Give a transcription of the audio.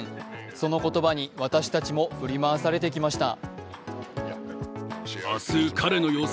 その言葉に私たちも振り回されてきました。